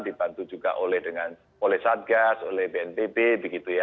dibantu juga oleh satgas oleh bnpb begitu ya